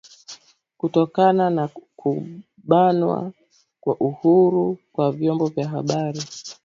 kutokana na kubanwa kwa uhuru kwa vyombo vya habari